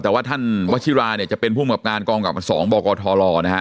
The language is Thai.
แต่ว่าท่านวชิราเนี่ยจะเป็นผู้มีงานกรองกรรมกรรมกรรม๒บกทล